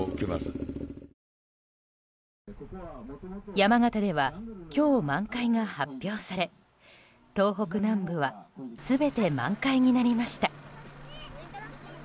山形では今日満開が発表され東北南部は全て満開になりました。